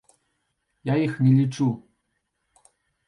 Я іх не лічу.